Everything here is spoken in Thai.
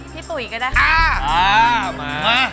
พี่ตุ๋ยก็ได้ค่ะมา